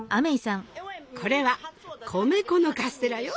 これは米粉のカステラよ。